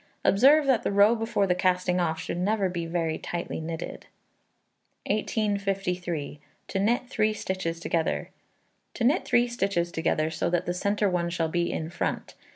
Observe that the row before the casting off should never be very tightly knitted. 1853. To Knit Three Stitches Together. To knit three stitches together, so that the centre one shall be in front.